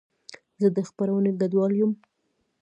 زه د خپرونې ګډونوال یم.